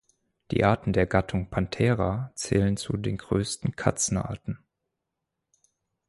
Die Arten der Gattung "Panthera" zählen zu den größten Katzenarten.